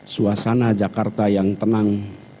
suasana jakarta yang tenang